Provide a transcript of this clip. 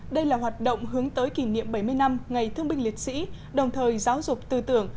đây là hoạt động hướng tới kỷ niệm bảy mươi năm ngày thương binh liệt sĩ đồng thời giáo dục tư tưởng